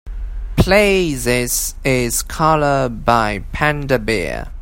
play This Is Colour by Panda Bear